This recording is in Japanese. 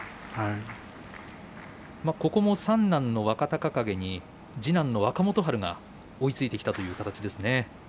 ここも三男の若隆景に次男の若元春が追いついてきたという感じですね。